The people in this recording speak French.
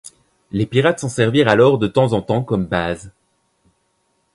Les pirates s'en servirent alors de temps en temps comme base.